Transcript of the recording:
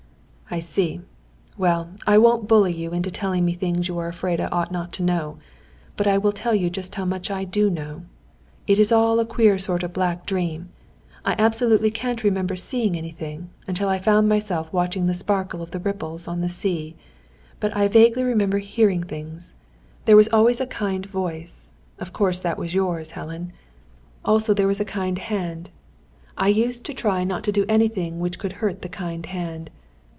"I see. Well, I won't bully you into telling me things you are afraid I ought not to know. But I will tell you just how much I do know. It is all a queer sort of black dream. I absolutely can't remember seeing anything, until I found myself watching the sparkle of the ripples on the sea. But I vaguely remember hearing things. There was always a kind voice. Of course that was yours, Helen. Also there was a kind hand. I used to try not to do anything which could hurt the kind hand.